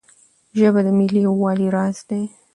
ژبه د ملي یووالي راز دی.